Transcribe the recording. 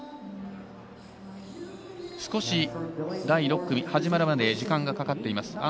少し第６組始まるまで時間がかかっています。